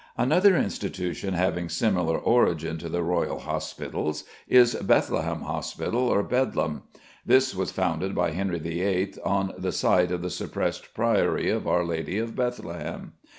Another institution having a similar origin to the Royal Hospitals is Bethlehem Hospital, or Bedlam. This was founded by Henry VIII., on the site of the suppressed Priory of our Lady of Bethlehem.